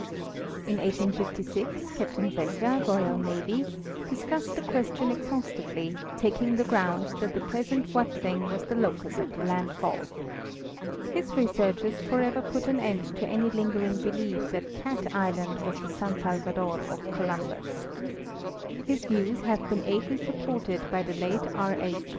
In 1856 Captain Becher, Royal Navy, discussed the question exhaustively, taking the ground that the present Watling 7 was the locus of the landfall. His researches forever put an end to any lingering belief that Cat island was the San Salvador of Columbus. His views have been ably supported by the late R. H.